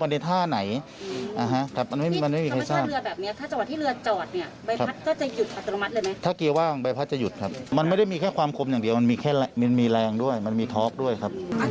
ขึ้นเลยลงมันเป็นหน้าที่ของผมแล้วเขาไม่สามารถทำเองได้ครับ